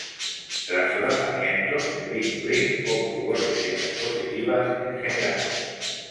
Tras su lanzamiento, "The Big Dream" obtuvo reseñas positivas en general.